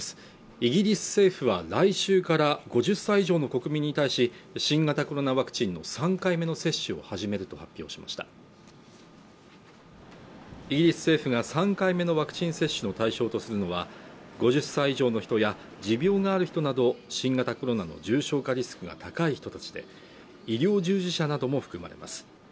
イギリス政府は来週から５０歳以上の国民に対し新型コロナワクチンの３回目の接種を始めると発表しましたイギリス政府が３回目のワクチン接種の対象とするのは５０歳以上の人や持病のある人など新型コロナの重症化リスクが高い人達で医療従事者なども含まれます